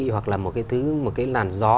hoặc là một cái thứ một cái làn gió